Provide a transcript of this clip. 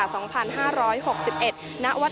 พาคุณผู้ชมไปติดตามบรรยากาศกันที่วัดอรุณราชวรรมมหาวิหารค่ะ